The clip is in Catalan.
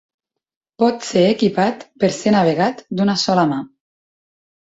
Pot ser equipat per ser navegat d'una sola mà.